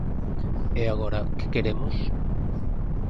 E agora ¿que queremos?